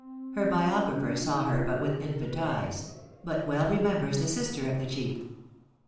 Her biographer saw her but with infant eyes; but well remembers the sister of the chief.